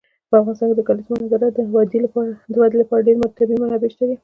په افغانستان کې د کلیزو منظره د ودې لپاره ډېرې طبیعي منابع شته دي.